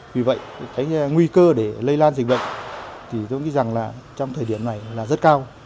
vì vậy cái nguy cơ để lây lan dịch bệnh thì tôi nghĩ rằng là trong thời điểm này là rất cao